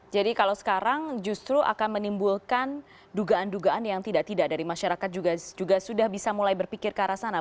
jadi kalau sekarang justru akan menimbulkan dugaan dugaan yang tidak tidak dari masyarakat juga sudah bisa mulai berpikir ke arah sana